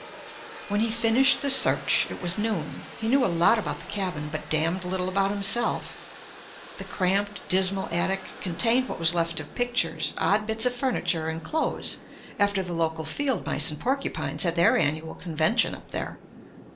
When he finished the search, it was noon. He knew a lot about the cabin, but damned little about himself. The cramped, dismal attic contained what was left of pictures, odd bits of furniture and clothes after the local field mice and porcupines had their annual convention up there.